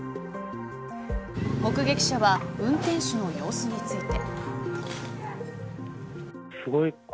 目撃者は運転手の様子について。